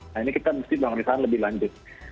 nah ini kita mesti pemeriksaan lebih lanjut